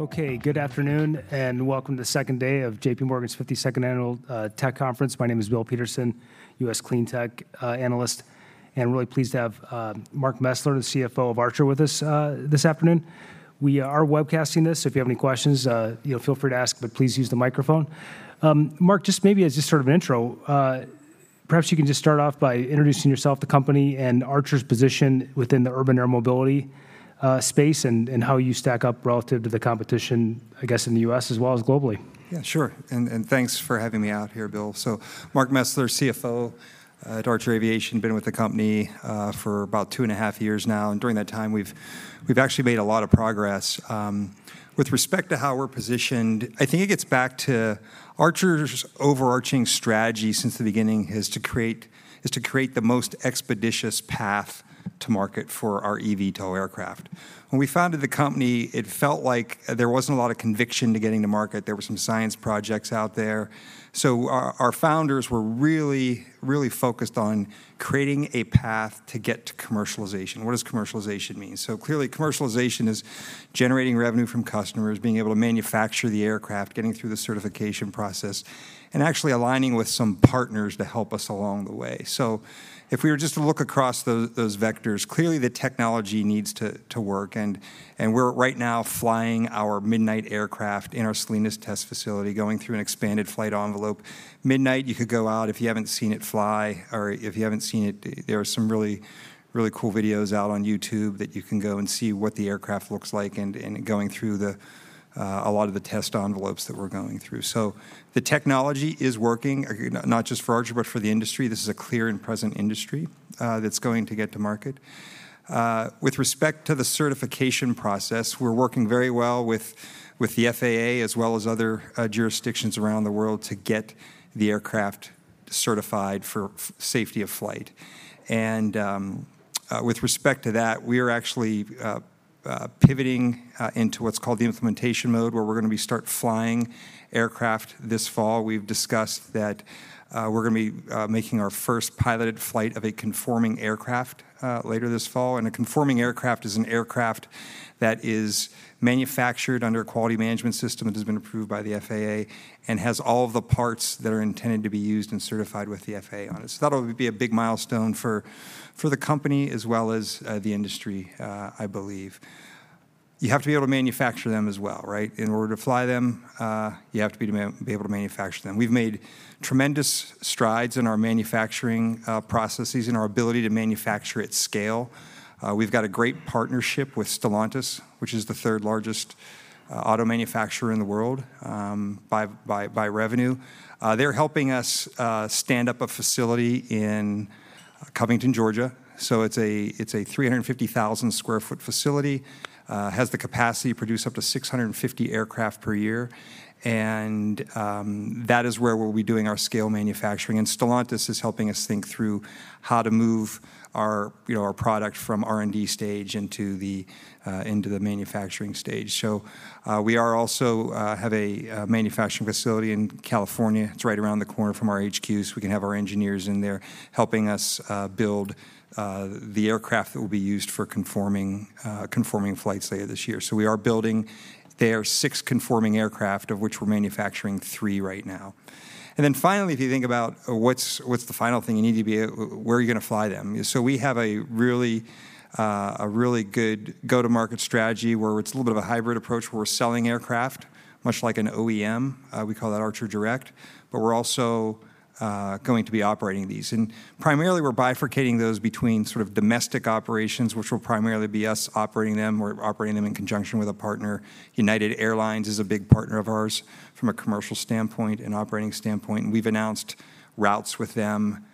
Okay, good afternoon, and welcome to the 2nd day of JPMorgan's 52nd annual tech conference. My name is Bill Peterson, U.S. clean tech analyst, and really pleased to have Mark Mesler, the CFO of Archer, with us this afternoon. We are webcasting this, so if you have any questions, you know, feel free to ask, but please use the microphone. Mark, just maybe as just sort of an intro, perhaps you can just start off by introducing yourself, the company, and Archer's position within the urban air mobility space, and how you stack up relative to the competition, I guess, in the U.S. as well as globally. Yeah, sure, and thanks for having me out here, Bill. So Mark Mesler, CFO at Archer Aviation, been with the company for about two and a half years now, and during that time, we've actually made a lot of progress. With respect to how we're positioned, I think it gets back to Archer's overarching strategy since the beginning is to create the most expeditious path to market for our eVTOL aircraft. When we founded the company, it felt like there wasn't a lot of conviction to getting to market. There were some science projects out there. So our founders were really focused on creating a path to get to commercialization. What does commercialization mean? So clearly, commercialization is generating revenue from customers, being able to manufacture the aircraft, getting through the certification process, and actually aligning with some partners to help us along the way. So if we were just to look across those vectors, clearly the technology needs to work, and we're right now flying our Midnight aircraft in our Salinas test facility, going through an expanded flight envelope. Midnight, you could go out if you haven't seen it fly or if you haven't seen it, there are some really, really cool videos out on YouTube that you can go and see what the aircraft looks like and going through the, a lot of the test envelopes that we're going through. So the technology is working, not just for Archer, but for the industry. This is a clear and present industry that's going to get to market. With respect to the certification process, we're working very well with the FAA, as well as other jurisdictions around the world, to get the aircraft certified for safety of flight. With respect to that, we are actually pivoting into what's called the implementation mode, where we're gonna start flying aircraft this fall. We've discussed that, we're gonna be making our first piloted flight of a conforming aircraft later this fall. A conforming aircraft is an aircraft that is manufactured under a quality management system that has been approved by the FAA and has all of the parts that are intended to be used and certified with the FAA on it. So that'll be a big milestone for the company as well as the industry, I believe. You have to be able to manufacture them as well, right? In order to fly them, you have to be able to manufacture them. We've made tremendous strides in our manufacturing processes and our ability to manufacture at scale. We've got a great partnership with Stellantis, which is the third-largest auto manufacturer in the world by revenue. They're helping us stand up a facility in Covington, Georgia. So it's a 350,000sq ft facility, has the capacity to produce up to 650 aircraft per year, and that is where we'll be doing our scale manufacturing. And Stellantis is helping us think through how to move our, you know, our product from R&D stage into the manufacturing stage. So, we also have a manufacturing facility in California. It's right around the corner from our HQ, so we can have our engineers in there helping us build the aircraft that will be used for conforming flights later this year. So we are building there six conforming aircraft, of which we're manufacturing three right now. And then finally, if you think about what's the final thing you need, where are you gonna fly them? So we have a really good go-to-market strategy, where it's a little bit of a hybrid approach, where we're selling aircraft, much like an OEM. We call that Archer Direct, but we're also going to be operating these. And primarily, we're bifurcating those between sort of domestic operations, which will primarily be us operating them or operating them in conjunction with a partner. United Airlines is a big partner of ours from a commercial standpoint and operating standpoint. We've announced routes with them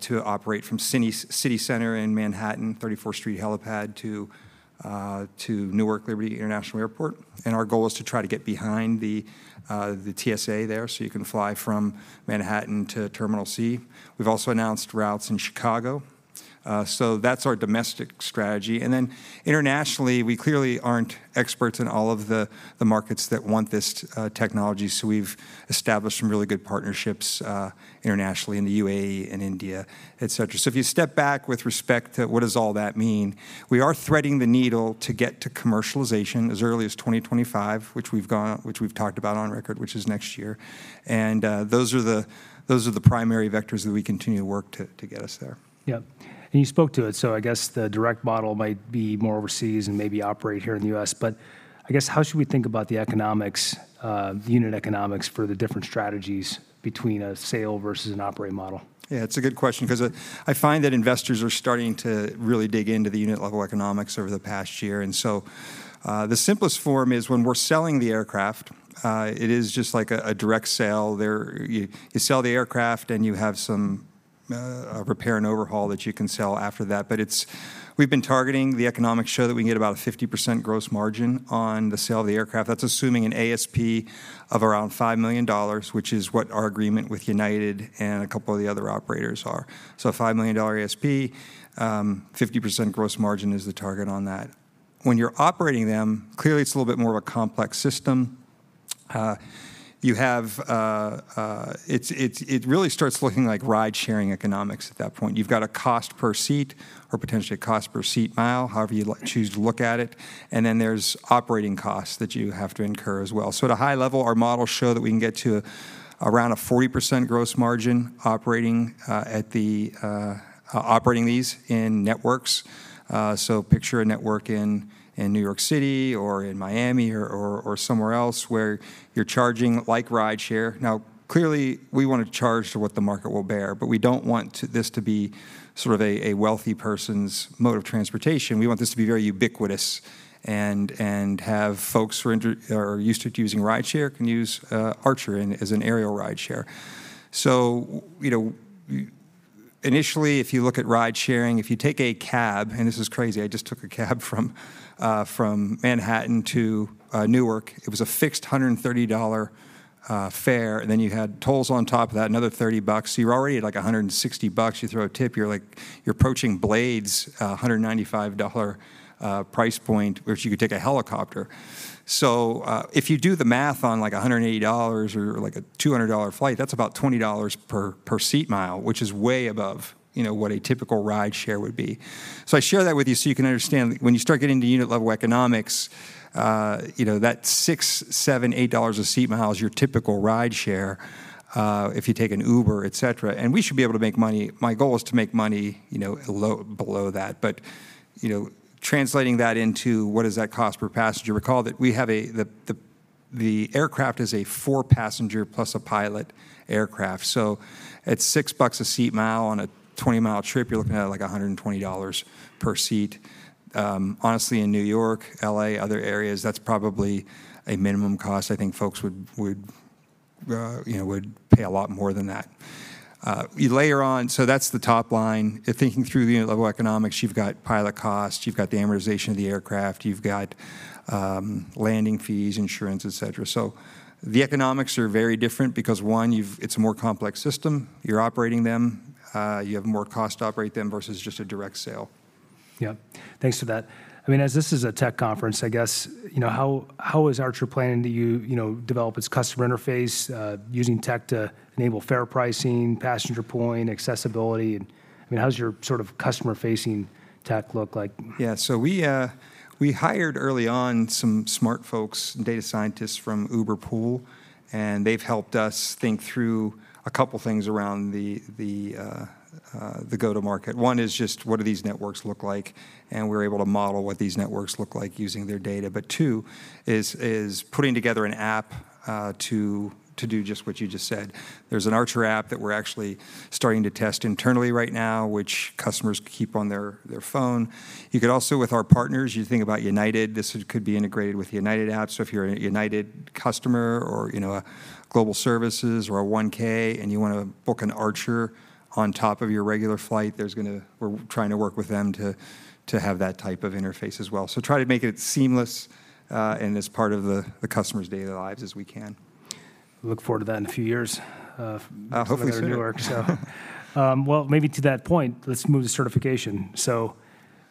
to operate from City Center in Manhattan, 34th Street helipad, to Newark Liberty International Airport, and our goal is to try to get behind the TSA there, so you can fly from Manhattan to Terminal C. We've also announced routes in Chicago. So that's our domestic strategy, and then internationally, we clearly aren't experts in all of the markets that want this technology, so we've established some really good partnerships internationally in the UAE and India, et cetera. So if you step back with respect to what does all that mean, we are threading the needle to get to commercialization as early as 2025, which we've gone, which we've talked about on record, which is next year, and, those are the, those are the primary vectors that we continue to work to, to get us there. Yeah. And you spoke to it, so I guess the direct model might be more overseas and maybe operate here in the U.S., but I guess, how should we think about the economics, the unit economics for the different strategies between a sale versus an operate model? Yeah, it's a good question 'cause, I find that investors are starting to really dig into the unit-level economics over the past year. And so, the simplest form is when we're selling the aircraft, it is just like a direct sale. You sell the aircraft, and you have some repair and overhaul that you can sell after that. But we've been targeting the economics to show that we can get about a 50% gross margin on the sale of the aircraft. That's assuming an ASP of around $5 million, which is what our agreement with United and a couple of the other operators are. So a $5 million ASP, 50% gross margin is the target on that. When you're operating them, clearly, it's a little bit more of a complex system. you have, it's, it really starts looking like ride-sharing economics at that point. You've got a cost per seat or potentially a cost per seat mile, however you choose to look at it, and then there's operating costs that you have to incur as well. So at a high level, our models show that we can get to around a 40% gross margin operating these in networks. So picture a network in New York City or in Miami or somewhere else where you're charging, like, ride-share. Now, clearly, we want to charge to what the market will bear, but we don't want this to be sort of a wealthy person's mode of transportation. We want this to be very ubiquitous and have folks who are inter... are used to using ride-share, can use Archer as an aerial ride-share. So, you know, initially, if you look at ride-sharing, if you take a cab, and this is crazy, I just took a cab from Manhattan to Newark. It was a fixed $130 fare, and then you had tolls on top of that, another $30, so you're already at, like, $160. You throw a tip, you're like... You're approaching Blade's $195 price point, which you could take a helicopter. So if you do the math on, like, a $180 or, like, a $200 flight, that's about $20 per seat mile, which is way above, you know, what a typical ride-share would be. So I share that with you so you can understand, when you start getting to unit-level economics, you know, that $6-$8 a seat mile is your typical ride-share, if you take an Uber, et cetera, and we should be able to make money. My goal is to make money, you know, below that, but, you know, translating that into what does that cost per passenger? Recall that we have a, the aircraft is a four-passenger plus a pilot aircraft, so at $6 a seat mile on a 20-mile trip, you're looking at, like, $120 per seat. Honestly, in New York, L.A., other areas, that's probably a minimum cost. I think folks would, you know, would pay a lot more than that. You layer on... So that's the top line. In thinking through the unit-level economics, you've got pilot cost, you've got the amortization of the aircraft, you've got, landing fees, insurance, et cetera. So the economics are very different because, one, it's a more complex system. You're operating them, you have more cost to operate them versus just a direct sale. Yeah. Thanks for that. I mean, as this is a tech conference, I guess, you know, how, how is Archer planning to you know, develop its customer interface, using tech to enable fair pricing, passenger pooling, accessibility, and, I mean, how does your sort of customer-facing tech look like? Yeah, so we, we hired early on some smart folks and data scientists from Uber Pool, and they've helped us think through a couple of things around the, the, the go-to-market. One is just, what do these networks look like? And we're able to model what these networks look like using their data. But two is, is putting together an app, to, to do just what you just said. There's an Archer App that we're actually starting to test internally right now, which customers keep on their, their phone. You could also, with our partners, you think about United, this could be integrated with United app. So if you're a United customer or, you know, a Global Services or a 1K and you wanna book an Archer on top of your regular flight, there's gonna. We're trying to work with them to have that type of interface as well. So try to make it seamless, and as part of the customer's daily lives as we can. Look forward to that in a few years. Hopefully sooner.... from New York. So, well, maybe to that point, let's move to certification. So,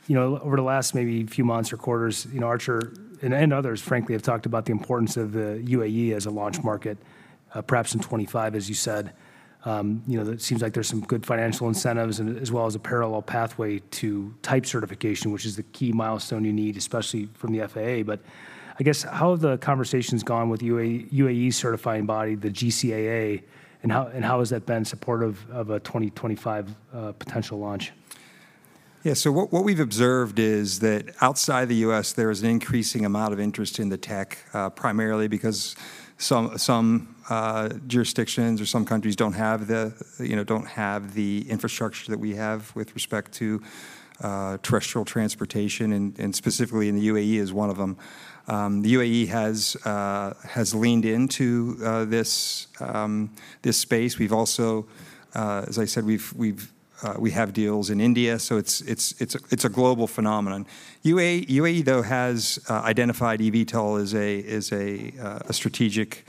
you know, over the last maybe few months or quarters, you know, Archer and others, frankly, have talked about the importance of the UAE as a launch market, perhaps in 2025, as you said. You know, there seems like there's some good financial incentives, and as well as a parallel pathway to type certification, which is the key milestone you need, especially from the FAA. But I guess, how have the conversations gone with the UAE certifying body, the GCAA, and how has that been supportive of a 2025 potential launch? Yeah, so what we've observed is that outside the U.S., there is an increasing amount of interest in the tech, primarily because some jurisdictions or some countries don't have the, you know, don't have the infrastructure that we have with respect to terrestrial transportation, and specifically in the UAE, is one of them. The UAE has leaned into this space. We've also, as I said, we have deals in India, so it's a global phenomenon. UAE, though, has identified eVTOL as a strategic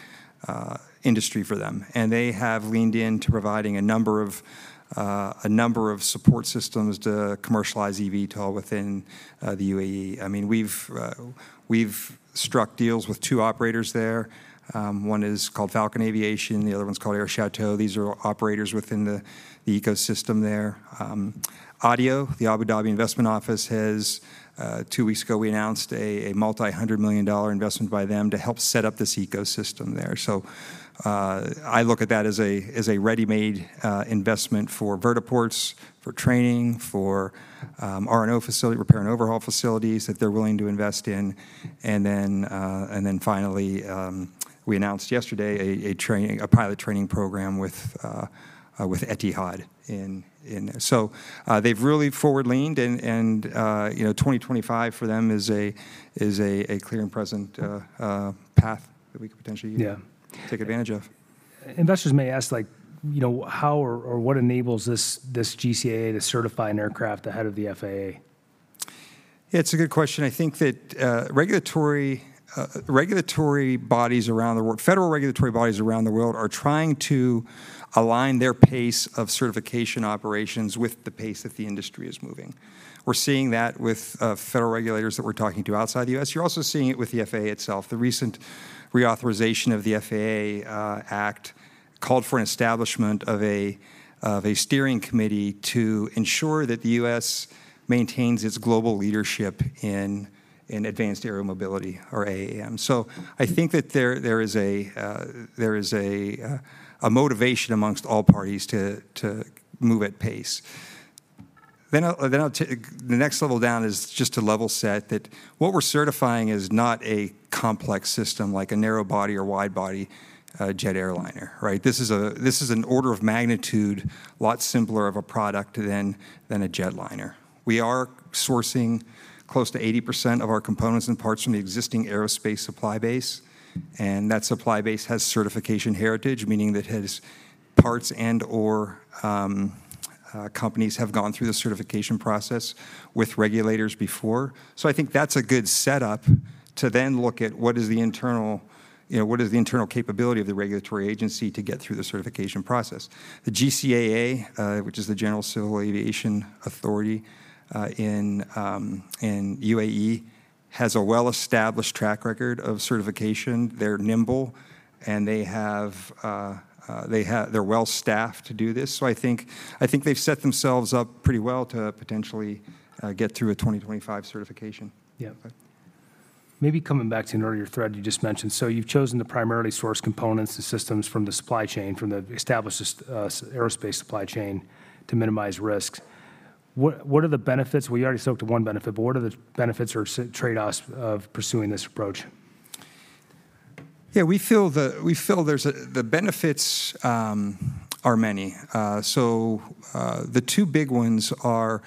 industry for them, and they have leaned in to providing a number of support systems to commercialize eVTOL within the UAE. I mean, we've struck deals with two operators there. One is called Falcon Aviation, the other one's called Air Chateau. These are operators within the ecosystem there. ADIO, the Abu Dhabi Investment Office, has, two weeks ago, we announced a multi-hundred million dollar investment by them to help set up this ecosystem there. So, I look at that as a ready-made investment for vertiports, for training, for R&O facility, repair and overhaul facilities, that they're willing to invest in. And then, and then finally, we announced yesterday a training, a pilot training program with, with Etihad in, in. So, they've really forward leaned, and, you know, 2025 for them is a, a clear and present path that we could potentially- Yeah ... take advantage of. Investors may ask, like, you know, how or what enables this GCAA to certify an aircraft ahead of the FAA?... Yeah, it's a good question. I think that, regulatory bodies around the world—federal regulatory bodies around the world are trying to align their pace of certification operations with the pace that the industry is moving. We're seeing that with, federal regulators that we're talking to outside the U.S. You're also seeing it with the FAA itself. The recent reauthorization of the FAA Act called for an establishment of a steering committee to ensure that the U.S. maintains its global leadership in, in advanced air mobility, or AAM. So I think that there is a motivation amongst all parties to move at pace. Then the next level down is just to level set, that what we're certifying is not a complex system, like a narrow body or wide body jet airliner, right? This is a, this is an order of magnitude, a lot simpler of a product than a jetliner. We are sourcing close to 80% of our components and parts from the existing aerospace supply base, and that supply base has certification heritage, meaning that it has parts and/or companies have gone through the certification process with regulators before. So I think that's a good setup to then look at what is the internal, you know, what is the internal capability of the regulatory agency to get through the certification process. The GCAA, which is the General Civil Aviation Authority, in UAE, has a well-established track record of certification. They're nimble, and they have, they're well-staffed to do this. So I think, I think they've set themselves up pretty well to potentially, get through a 2025 certification. Yeah. Maybe coming back to an earlier thread you just mentioned. So you've chosen to primarily source components and systems from the supply chain, from the established aerospace supply chain, to minimize risks. What are the benefits? We already spoke to one benefit, but what are the benefits or trade-offs of pursuing this approach? Yeah, we feel the benefits are many. So the 2 big ones are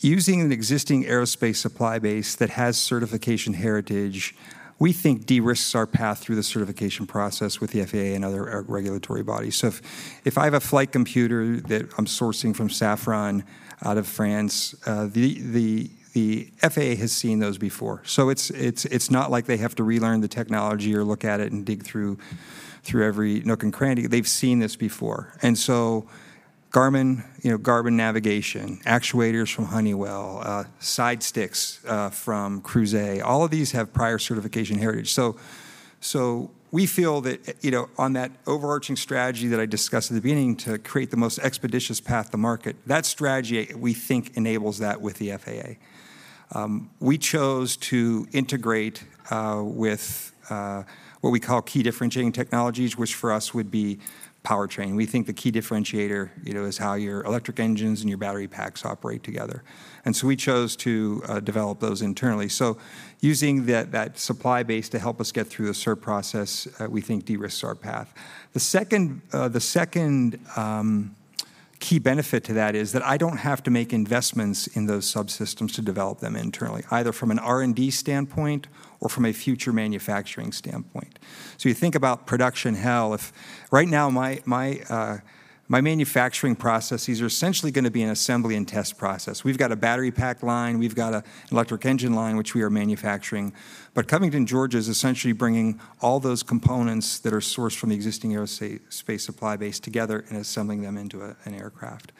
using an existing aerospace supply base that has certification heritage, we think, de-risks our path through the certification process with the FAA and other regulatory bodies. So if I have a flight computer that I'm sourcing from Safran out of France, the FAA has seen those before. So it's not like they have to relearn the technology or look at it and dig through every nook and cranny. They've seen this before. And so Garmin, you know, Garmin navigation, actuators from Honeywell, sidesticks from Crouzet, all of these have prior certification heritage. So we feel that, you know, on that overarching strategy that I discussed in the beginning, to create the most expeditious path to market, that strategy, we think, enables that with the FAA. We chose to integrate with what we call key differentiating technologies, which, for us, would be powertrain. We think the key differentiator, you know, is how your electric engines and your battery packs operate together. And so we chose to develop those internally. So using that supply base to help us get through the cert process, we think de-risks our path. The second key benefit to that is that I don't have to make investments in those subsystems to develop them internally, either from an R&D standpoint or from a future manufacturing standpoint. So you think about production hell. If right now my manufacturing processes are essentially gonna be an assembly and test process. We've got a battery pack line. We've got an electric engine line, which we are manufacturing. But Covington, Georgia, is essentially bringing all those components that are sourced from the existing aerospace supply base together and assembling them into an aircraft.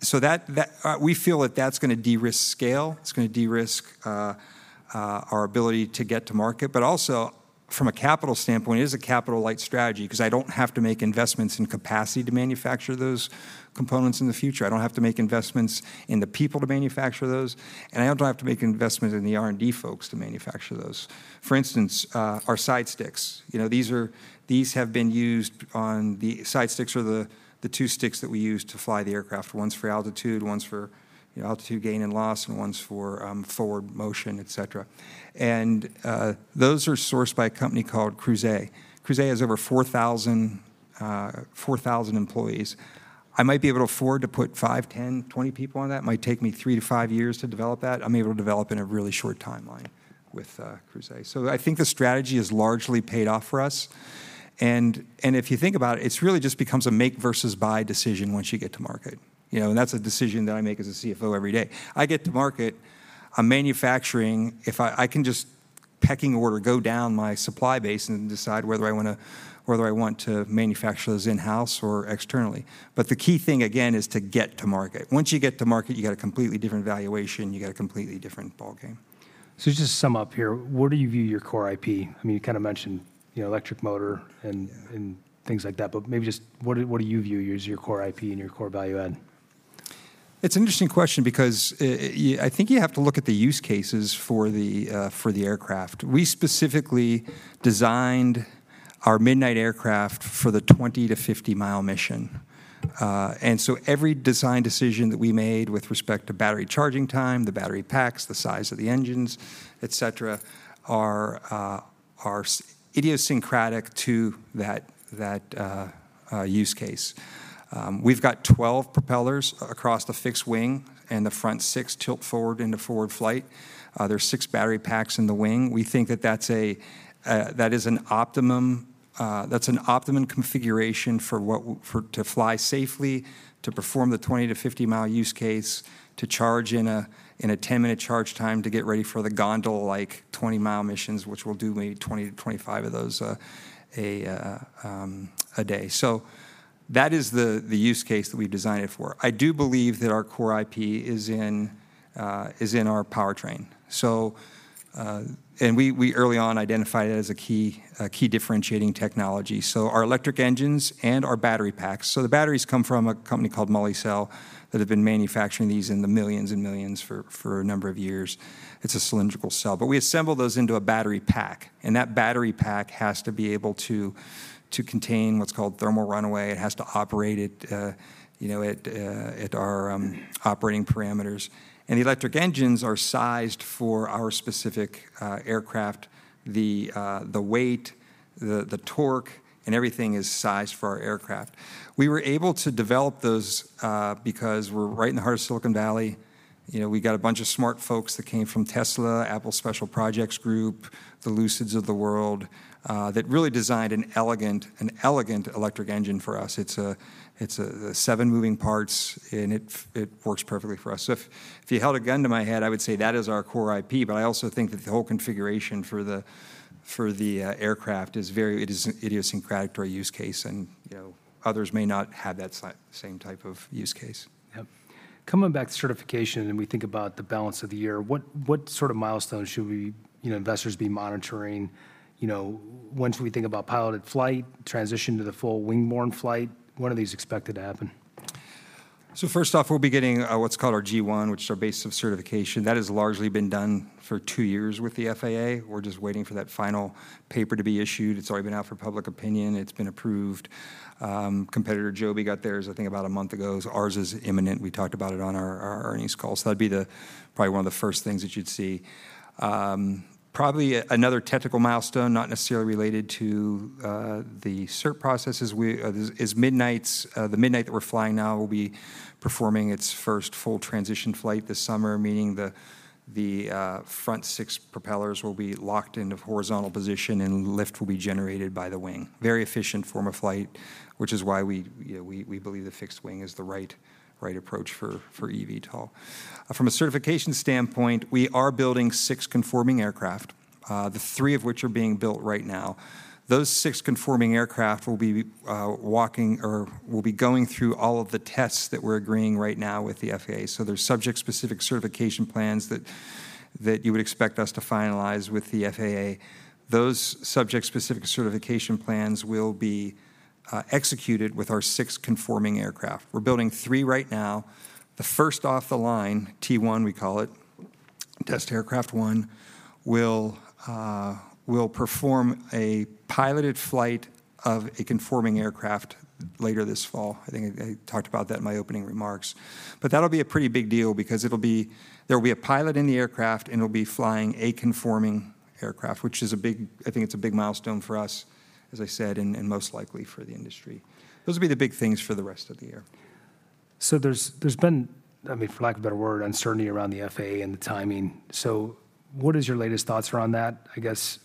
So that we feel that that's gonna de-risk scale. It's gonna de-risk our ability to get to market. But also, from a capital standpoint, it is a capital-light strategy, because I don't have to make investments in capacity to manufacture those components in the future. I don't have to make investments in the people to manufacture those, and I don't have to make investments in the R&D folks to manufacture those. For instance, our sidesticks, you know, these are. These have been used on the sidesticks are the two sticks that we use to fly the aircraft. One's for altitude, one's for, you know, altitude gain and loss, and one's for forward motion, et cetera. And those are sourced by a company called Crouzet. Crouzet has over 4,000 employees. I might be able to afford to put five 10, 20 people on that. Might take me three to five years to develop that. I'm able to develop in a really short timeline with Crouzet. So I think the strategy has largely paid off for us, and if you think about it, it's really just becomes a make versus buy decision once you get to market. You know, and that's a decision that I make as a CFO every day. I get to market, I'm manufacturing. If I can just pecking order go down my supply base and decide whether I want to manufacture those in-house or externally. But the key thing, again, is to get to market. Once you get to market, you got a completely different valuation, you got a completely different ballgame. Just to sum up here, where do you view your core IP? I mean, you kind of mentioned, you know, electric motor and things like that, but maybe just what do you view as your core IP and your core value add? It's an interesting question because I think you have to look at the use cases for the aircraft. We specifically designed our Midnight aircraft for the 20mi-50mi mission. And so every design decision that we made with respect to battery charging time, the battery packs, the size of the engines, et cetera, are idiosyncratic to that use case. We've got 12 propellers across the fixed wing, and the front six tilt forward into forward flight. There's six battery packs in the wing. We think that that's, that is an optimum-... That's an optimum configuration for to fly safely, to perform the 20mi-50mi use case, to charge in a 10-minute charge time to get ready for the gondola, like, 20mi missions, which we'll do maybe 20mi-25mi of those a day. So that is the use case that we designed it for. I do believe that our core IP is in our powertrain. So we early on identified it as a key differentiating technology, so our electric engines and our battery packs. So the batteries come from a company called Molicel, that have been manufacturing these in the millions and millions for a number of years. It's a cylindrical cell. But we assemble those into a battery pack, and that battery pack has to be able to contain what's called thermal runaway. It has to operate at, you know, at our operating parameters. And the electric engines are sized for our specific aircraft. The weight, the torque, and everything is sized for our aircraft. We were able to develop those because we're right in the heart of Silicon Valley. You know, we got a bunch of smart folks that came from Tesla, Apple Special Projects Group, the Lucids of the world that really designed an elegant electric engine for us. It's seven moving parts, and it works perfectly for us. So if you held a gun to my head, I would say that is our core IP, but I also think that the whole configuration for the aircraft is very idiosyncratic to our use case, and, you know, others may not have that same type of use case. Yep. Coming back to certification, and we think about the balance of the year, what sort of milestones should we, you know, investors be monitoring? You know, when should we think about piloted flight, transition to the full wing-borne flight, when are these expected to happen? So first off, we'll be getting what's called our G1, which is our basis of certification. That has largely been done for two years with the FAA. We're just waiting for that final paper to be issued. It's already been out for public opinion. It's been approved. Competitor Joby got theirs, I think, about a month ago. So ours is imminent. We talked about it on our earnings call. So that'd be the, probably one of the first things that you'd see. Probably another technical milestone, not necessarily related to the cert process, is Midnight, the Midnight that we're flying now will be performing its first full transition flight this summer, meaning the front six propellers will be locked into horizontal position, and lift will be generated by the wing. Very efficient form of flight, which is why we, you know, believe the fixed wing is the right, right approach for eVTOL. From a certification standpoint, we are building six conforming aircraft, the three of which are being built right now. Those six conforming aircraft will be going through all of the tests that we're agreeing right now with the FAA. So there's subject-specific certification plans that you would expect us to finalize with the FAA. Those subject-specific certification plans will be executed with our six conforming aircraft. We're building three right now. The first off the line, T1, we call it, Test Aircraft One, will perform a piloted flight of a conforming aircraft later this fall. I think I talked about that in my opening remarks. But that'll be a pretty big deal because it'll be, there will be a pilot in the aircraft, and it'll be flying a conforming aircraft, which is a big, I think it's a big milestone for us, as I said, and, and most likely for the industry. Those will be the big things for the rest of the year. So there's, there's been, I mean, for lack of a better word, uncertainty around the FAA and the timing. So what is your latest thoughts around that? I guess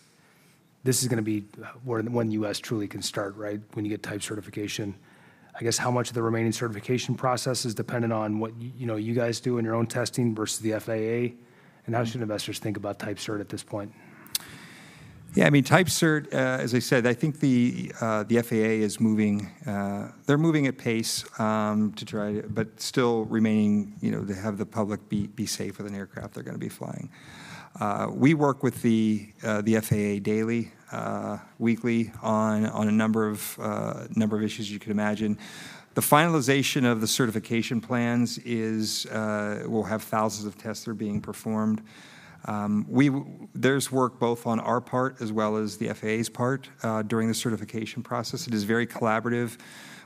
this is gonna be, when the U.S. truly can start, right? When you get type certification. I guess, how much of the remaining certification process is dependent on what you know, you guys do in your own testing versus the FAA? And how should investors think about type cert at this point? Yeah, I mean, type cert, as I said, I think the, the FAA is moving... they're moving at pace, but still remaining, you know, to have the public be safe with an aircraft they're gonna be flying. We work with the, the FAA daily, weekly on, on a number of, number of issues you could imagine. The finalization of the certification plans is will have thousands of tests that are being performed. There's work both on our part as well as the FAA's part during the certification process. It is very collaborative.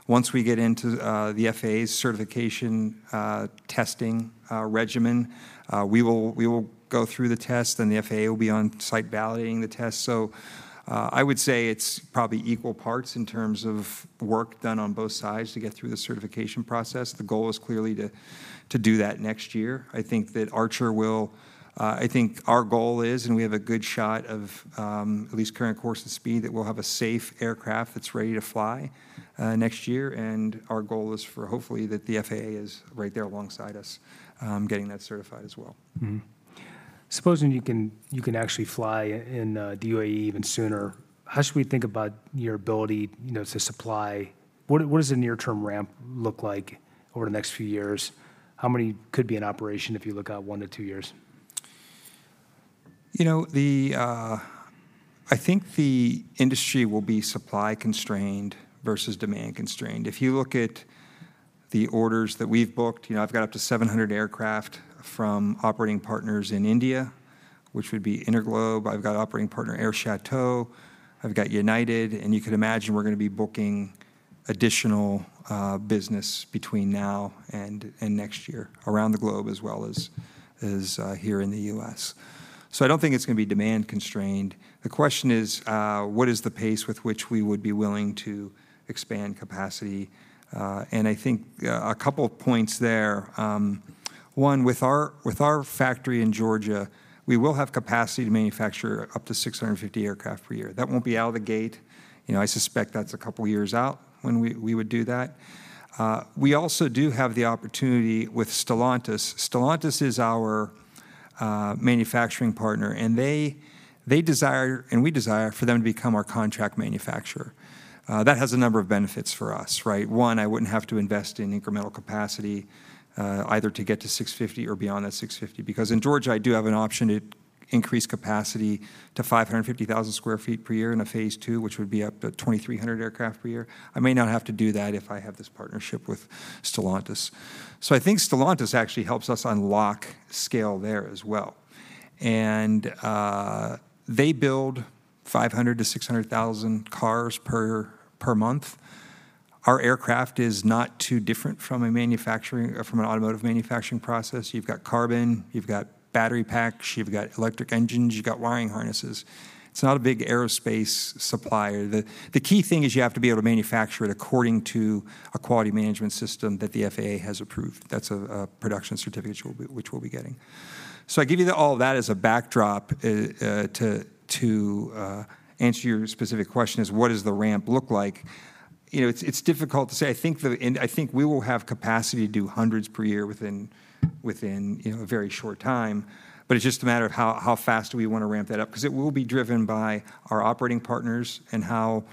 Once we get into the FAA's certification testing regimen, we will go through the test, and the FAA will be on-site validating the test. So, I would say it's probably equal parts in terms of work done on both sides to get through the certification process. The goal is clearly to do that next year. I think that Archer will. I think our goal is, and we have a good shot of, at least current course and speed, that we'll have a safe aircraft that's ready to fly next year, and our goal is for hopefully, that the FAA is right there alongside us, getting that certified as well. Mm-hmm. Supposing you can, you can actually fly in the UAE even sooner, how should we think about your ability, you know, to supply? What does, what does the near-term ramp look like over the next few years? How many could be in operation if you look out one to two years? You know, I think the industry will be supply-constrained versus demand-constrained. If you look at the orders that we've booked, you know, I've got up to 700 aircraft from operating partners in India, which would be InterGlobe. I've got operating partner Air Chateau, I've got United, and you could imagine we're gonna be booking additional business between now and next year, around the globe, as well as here in the U.S. So I don't think it's gonna be demand-constrained. The question is, what is the pace with which we would be willing to expand capacity? And I think a couple of points there. One, with our factory in Georgia, we will have capacity to manufacture up to 650 aircraft per year. That won't be out of the gate. You know, I suspect that's a couple years out when we would do that. We also do have the opportunity with Stellantis. Stellantis is our manufacturing partner, and they desire, and we desire for them to become our contract manufacturer. That has a number of benefits for us, right? One, I wouldn't have to invest in incremental capacity, either to get to 650 or beyond that 650, because in Georgia, I do have an option to increase capacity to 550,000sq ft per year in a phase II, which would be up to 2,300 aircraft per year. I may not have to do that if I have this partnership with Stellantis. So I think Stellantis actually helps us unlock scale there as well. And they build 500,000-600,000 cars per month. Our aircraft is not too different from a manufacturing—from an automotive manufacturing process. You've got carbon, you've got battery packs, you've got electric engines, you've got wiring harnesses. It's not a big aerospace supplier. The key thing is you have to be able to manufacture it according to a quality management system that the FAA has approved. That's a production certificate which we'll be getting. So I give you all that as a backdrop to answer your specific question is, what does the ramp look like? You know, it's difficult to say. I think the... And I think we will have capacity to do hundreds per year within, you know, a very short time, but it's just a matter of how fast do we want to ramp that up, 'cause it will be driven by our operating partners and how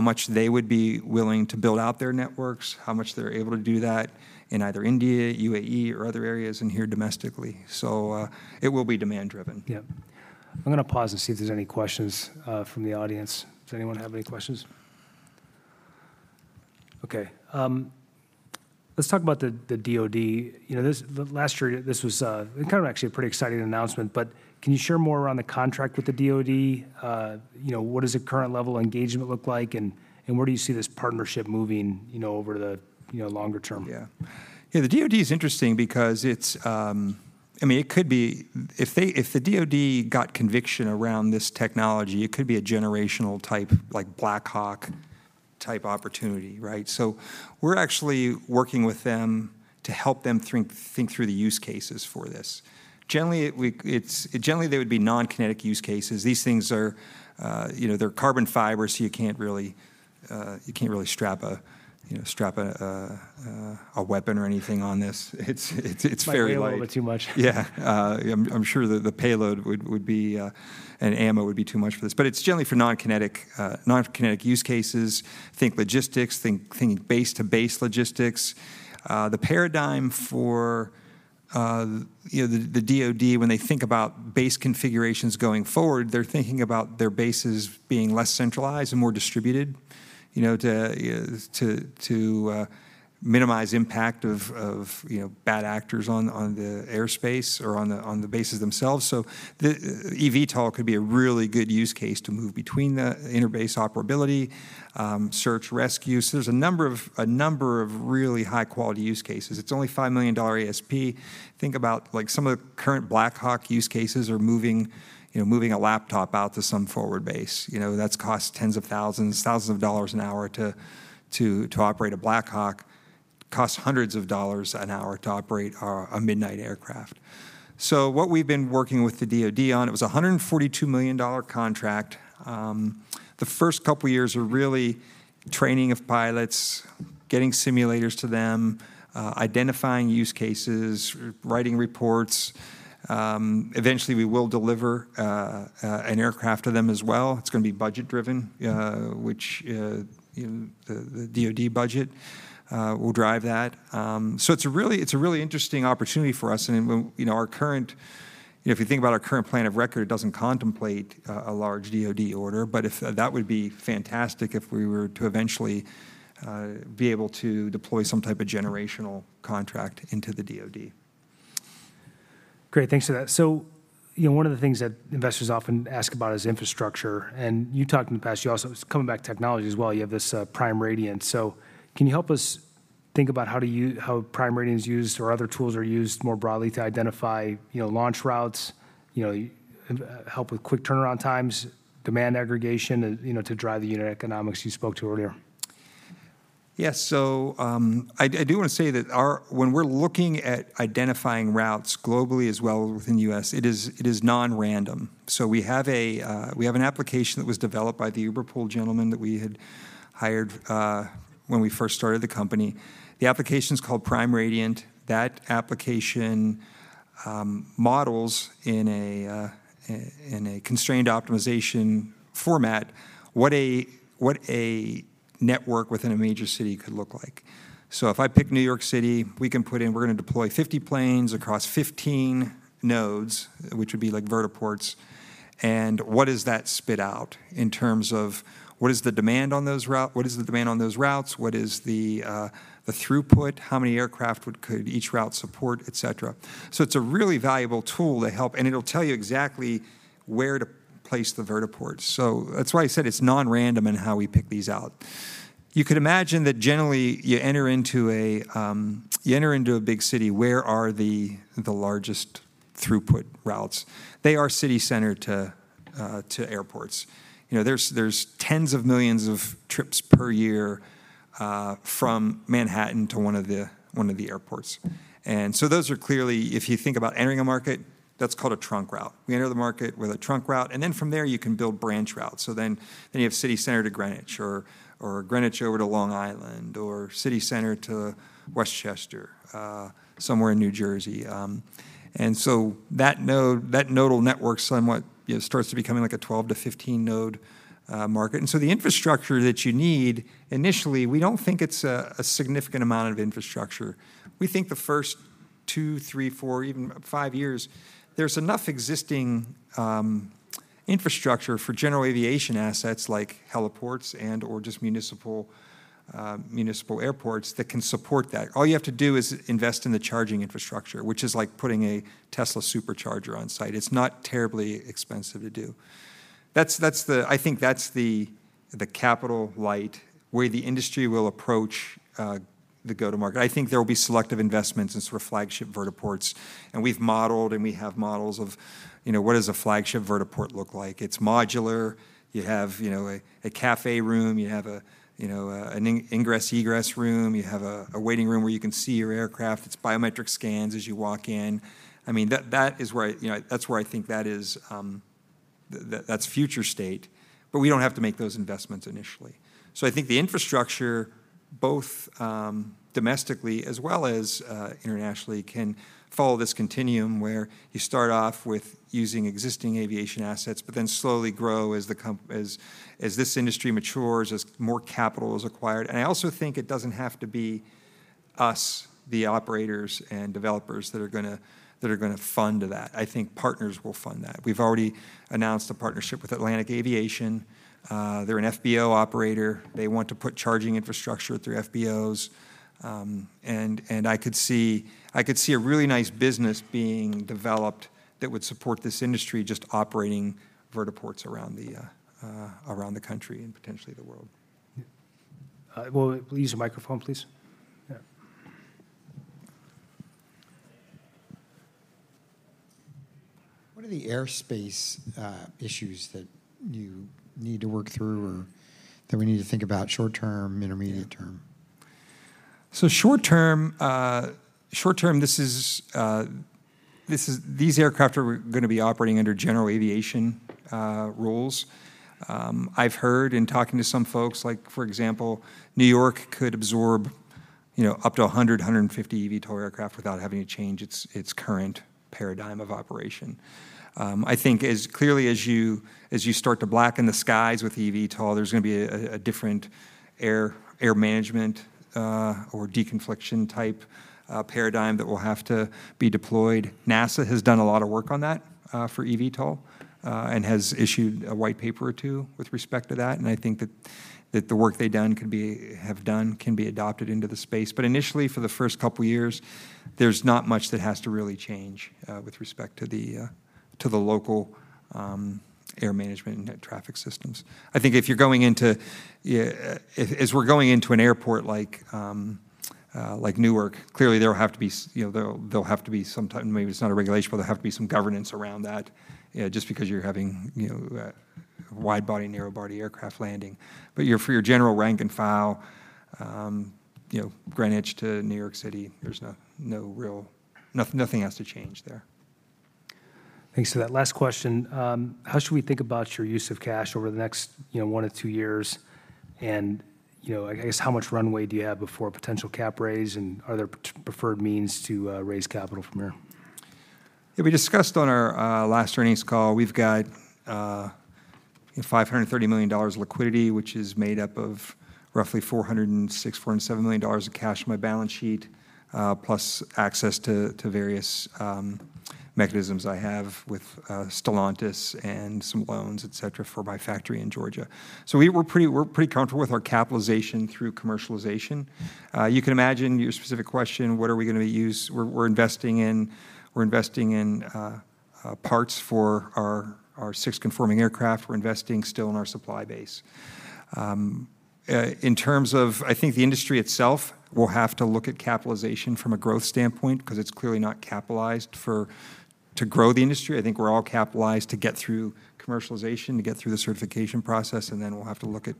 much they would be willing to build out their networks, how much they're able to do that in either India, UAE, or other areas in here domestically. So, it will be demand-driven. Yeah. I'm gonna pause and see if there's any questions from the audience. Does anyone have any questions? Okay, let's talk about the DoD. You know, this last year, this was kind of actually a pretty exciting announcement, but can you share more around the contract with the DoD? You know, what does the current level of engagement look like, and where do you see this partnership moving, you know, over the longer term? Yeah. Yeah, the DoD is interesting because it's, I mean, it could be, if they, if the DoD got conviction around this technology, it could be a generational type, like, Black Hawk-type opportunity, right? So we're actually working with them to help them think through the use cases for this. Generally, they would be non-kinetic use cases. These things are, you know, they're carbon fiber, so you can't really strap a weapon or anything on this. It's, it's, it's very light. Might be a little bit too much. Yeah. I'm sure the payload would be and ammo would be too much for this, but it's generally for non-kinetic use cases. Think logistics, think base-to-base logistics. The paradigm for, you know, the DoD, when they think about base configurations going forward, they're thinking about their bases being less centralized and more distributed, you know, to minimize impact of, you know, bad actors on the airspace or on the bases themselves. So the eVTOL could be a really good use case to move between the inter-base operability, search, rescue. So there's a number of really high-quality use cases. It's only $5 million ASP. Think about, like, some of the current Black Hawk use cases are moving, you know, moving a laptop out to some forward base. You know, that's cost tens of thousands of dollars an hour to operate a Black Hawk. Costs hundreds of dollars an hour to operate a Midnight aircraft. So what we've been working with the DoD on, it was a $142 million contract. The first couple of years were really training of pilots, getting simulators to them, identifying use cases, writing reports. Eventually, we will deliver an aircraft to them as well. It's gonna be budget-driven, which, you know, the DoD budget will drive that. So it's a really interesting opportunity for us, and, you know, our current... You know, if you think about our current plan of record, it doesn't contemplate a large DoD order, but if that would be fantastic if we were to eventually be able to deploy some type of generational contract into the DoD. Great, thanks for that. So, you know, one of the things that investors often ask about is infrastructure, and you talked in the past, you also, coming back to technology as well, you have this, Prime Radiant. So can you help us think about how to how Prime Radiant is used or other tools are used more broadly to identify, you know, launch routes, you know, help with quick turnaround times, demand aggregation, and, you know, to drive the unit economics you spoke to earlier? Yeah. So, I do want to say that our, when we're looking at identifying routes globally as well as within the U.S., it is non-random. So we have an application that was developed by the Uber Pool gentleman that we had hired when we first started the company. The application's called Prime Radiant. That application models in a constrained optimization format what a network within a major city could look like. So if I pick New York City, we can put in, we're going to deploy 50 planes across 15 nodes, which would be like vertiports, and what does that spit out in terms of what is the demand on those routes? What is the throughput? How many aircraft could each route support, et cetera? So it's a really valuable tool to help, and it'll tell you exactly where to place the vertiports. So that's why I said it's non-random in how we pick these out. You could imagine that generally, you enter into a big city, where are the largest throughput routes? They are city center to airports. You know, there's tens of millions of trips per year from Manhattan to one of the airports. And so those are clearly, if you think about entering a market, that's called a trunk route. We enter the market with a trunk route, and then from there, you can build branch routes. So then you have city center to Greenwich or Greenwich over to Long Island, or city center to Westchester, somewhere in New Jersey. And so that node, that nodal network somewhat, you know, starts to becoming like a 12- to 15-node market. And so the infrastructure that you need, initially, we don't think it's a significant amount of infrastructure. We think the first two, three, four, even five years, there's enough existing infrastructure for general aviation assets like heliports and/or just municipal airports that can support that. All you have to do is invest in the charging infrastructure, which is like putting a Tesla Supercharger on site. It's not terribly expensive to do. That's the—I think that's the capital light way the industry will approach the go-to-market. I think there will be selective investments in sort of flagship vertiports, and we've modeled, and we have models of, you know, what does a flagship vertiport look like? It's modular. You have, you know, a café room, you have a, you know, an ingress, egress room, you have a waiting room where you can see your aircraft, its biometric scans as you walk in. I mean, that is where I, you know... That's where I think that is, that that's future state, but we don't have to make those investments initially. So I think the infrastructure, both domestically as well as internationally, can follow this continuum, where you start off with using existing aviation assets but then slowly grow as this industry matures, as more capital is acquired. And I also think it doesn't have to be us, the operators and developers, that are gonna fund that. I think partners will fund that. We've already announced a partnership with Atlantic Aviation. They're an FBO operator. They want to put charging infrastructure through FBOs. I could see a really nice business being developed that would support this industry, just operating vertiports around the country and potentially the world. Yeah. Well, will you use the microphone, please? Yeah. What are the airspace issues that you need to work through or that we need to think about short term, intermediate term? So short term, this is... These aircraft are going to be operating under general aviation rules. I've heard in talking to some folks, like, for example, New York could absorb, you know, up to 100-150 eVTOL aircraft without having to change its current paradigm of operation. I think as clearly as you start to blacken the skies with eVTOL, there's gonna be a different air management or deconfliction-type paradigm that will have to be deployed. NASA has done a lot of work on that for eVTOL and has issued a white paper or two with respect to that, and I think that the work they've done could be adopted into the space. But initially, for the first couple of years, there's not much that has to really change with respect to the local airspace management and air traffic systems. I think as we're going into an airport like Newark, clearly, there'll have to be some type. Maybe it's not a regulation, but there have to be some governance around that just because you're having, you know, wide-body, narrow-body aircraft landing. But for your general rank and file, you know, Greenwich to New York City, there's no real. Nothing has to change there. Thanks for that. Last question: how should we think about your use of cash over the next, you know, one to two years? And, you know, I guess, how much runway do you have before a potential cap raise, and are there preferred means to raise capital from here? Yeah, we discussed on our last earnings call, we've got $530 million liquidity, which is made up of roughly $406 million-$407 million of cash on my balance sheet, plus access to various mechanisms I have with Stellantis and some loans, et cetera, for my factory in Georgia. So we're pretty comfortable with our capitalization through commercialization. You can imagine, your specific question, what are we gonna use? We're investing in parts for our six conforming aircraft. We're investing still in our supply base. In terms of... I think the industry itself will have to look at capitalization from a growth standpoint 'cause it's clearly not capitalized for to grow the industry. I think we're all capitalized to get through commercialization, to get through the certification process, and then we'll have to look at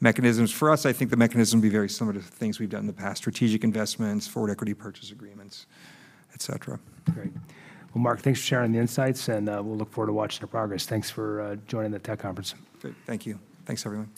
mechanisms. For us, I think the mechanism will be very similar to things we've done in the past: strategic investments, forward equity purchase agreements, et cetera. Great. Well, Mark, thanks for sharing the insights, and we'll look forward to watching your progress. Thanks for joining the tech conference. Good. Thank you. Thanks, everyone.